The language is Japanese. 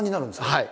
はい。